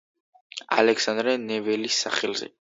ალექსანდრე ნეველის სახელზე.